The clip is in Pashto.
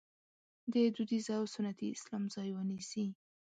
د دودیز او سنتي اسلام ځای ونیسي.